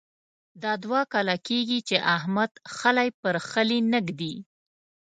دا دوه کاله کېږې چې احمد خلی پر خلي نه اېږدي.